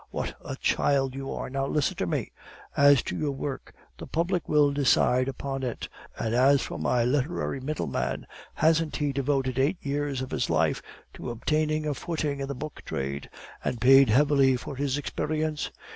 What a child you are! Now, listen to me. As to your work, the public will decide upon it; and as for my literary middle man, hasn't he devoted eight years of his life to obtaining a footing in the book trade, and paid heavily for his experience?